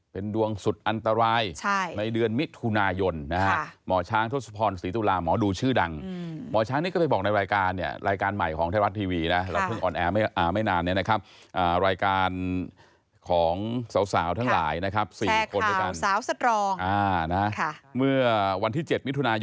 เป็นดวงสุดอันตรายในเดือนมิถุนายนหมอช้างทศพรศรีศตุลา